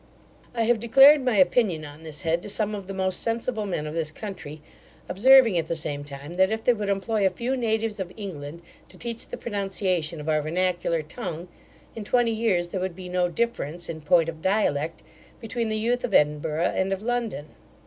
I have declared my opinion on this head to some of the most sensible men of this country, observing, at the same time, that if they would employ a few natives of England to teach the pronunciation of our vernacular tongue, in twenty years there would be no difference, in point of dialect, between the youth of Edinburgh and of London.